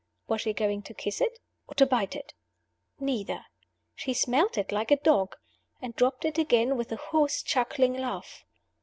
Was she going to kiss it? or to bite it? Neither. She smelt it like a dog and dropped it again with a hoarse chuckling laugh.